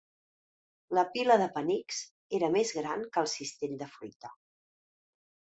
La pila de penics era més gran que el cistell de fruita.